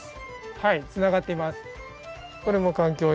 はいつながっています。